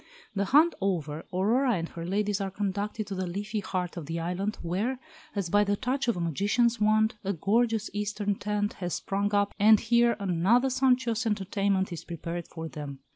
The hunt over, Aurora and her ladies are conducted to the leafy heart of the island, where, as by the touch of a magician's wand, a gorgeous Eastern tent has sprung up, and here another sumptuous entertainment is prepared for them.